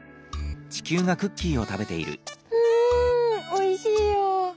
うんおいしいよ。